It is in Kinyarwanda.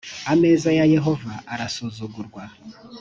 ameza ya yehova arasuzugurwa